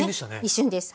一瞬です。